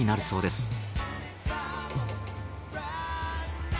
そうです。